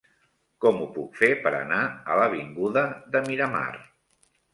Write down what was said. Com ho puc fer per anar a l'avinguda de Miramar?